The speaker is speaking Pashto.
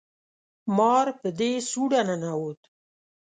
مار په دې سوړه ننوت